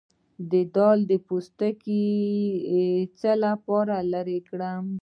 د دال پوستکی د څه لپاره لرې کړم؟